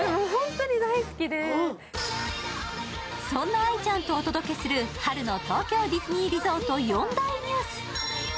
そんな愛ちゃんとお届けする、春の東京ディズニーリゾート４大ニュース。